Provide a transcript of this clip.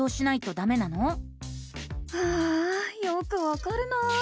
ああよくわかるな。